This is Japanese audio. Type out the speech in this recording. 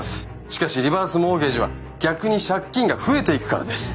しかしリバースモーゲージは逆に借金が増えていくからです。